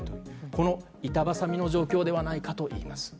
この板挟みの状況ではないかといいます。